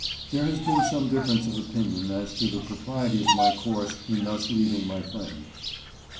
There has been some difference of opinion as to the propriety of my course in thus leaving my friend.